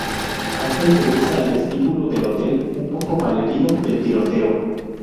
Ángel regresa al vestíbulo del hotel, un poco malherido del tiroteo.